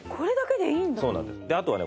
であとはね